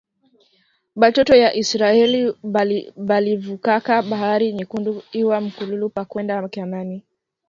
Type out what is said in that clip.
Batoto ya isiraheli balivukaka bahari nyekundu lwa mukulu pa kwenda kanani